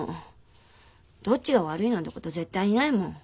どっちが悪いなんてこと絶対にないもん。